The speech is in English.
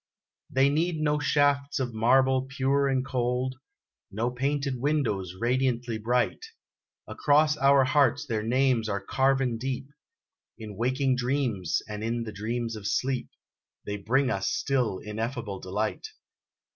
They need no shafts of marble pure and cold No painted windows radiantly bright; Across our hearts their names are carven deep In waking dreams, and in the dreams of sleep, They bring us still ineffable delight.